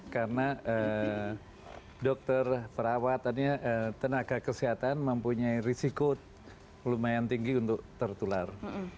karena dokter perawatannya tenaga kesehatan mempunyai risiko lumayan tinggi untuk tertular